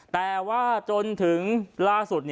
แต่ว่าจนถึงล่าสุด